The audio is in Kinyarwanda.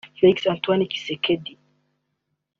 Félix Antoine Tshisekedi